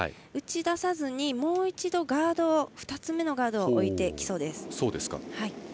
打ち出さずにもう一度ガードを２つ目のガードを置いてきそうです。